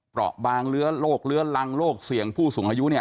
บางเลื้อโรคเลื้อรังโรคเสี่ยงผู้สูงอายุเนี่ย